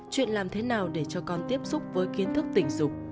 chuyện làm thế nào để cho con tiếp xúc với kiến thức tình dục